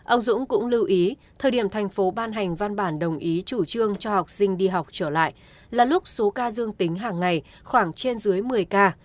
ông dũng cũng lưu ý thời điểm thành phố ban hành văn bản đồng ý chủ trương cho học sinh đi học trở lại là lúc số ca dương tính hàng ngày khoảng trên dưới một mươi ca